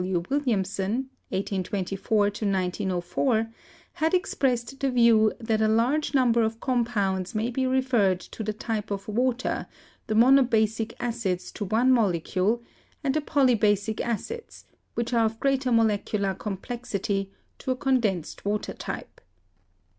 W. Williamson (1824 1904) had expressed the view that a large number of com pounds may be referred to the type of water, the mono basic acids to one molecule, and the polybasic acids, which are of greater molecular complexity, to a condensed water type.